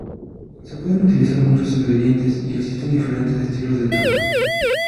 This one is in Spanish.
Se pueden utilizar muchos ingredientes, y existen diferentes estilos de tacos.